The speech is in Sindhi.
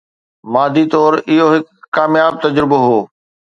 مادي طور اهو هڪ ڪامياب تجربو هو